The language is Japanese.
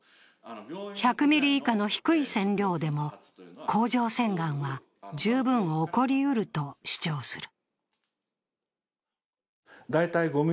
１００ミリ以下の低い線量でも甲状腺がんは十分起こりうると主張する。